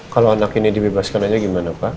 kalau anak ini dibebaskan aja gimana pak